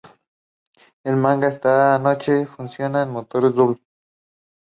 It was the first official Catholic Church appointment in Australia.